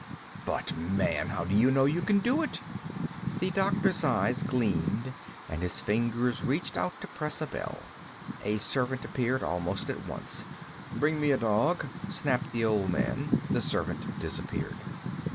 "But, man, how do you know you can do it?" The doctor's eyes gleamed and his fingers reached out to press a bell. A servant appeared almost at once. "Bring me a dog," snapped the old man. The servant disappeared.